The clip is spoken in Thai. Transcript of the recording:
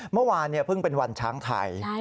เมื่อวานเพิ่งเป็นวันช้างไทย